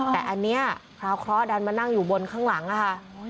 แต่อันนี้คร้าวดันมานั่งอยู่บนข้างหลังนะคะ